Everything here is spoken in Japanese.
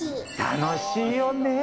楽しいよねぇ。